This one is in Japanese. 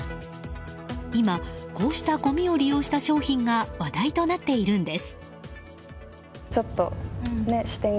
今こうしたごみを利用した商品が話題となっているんです。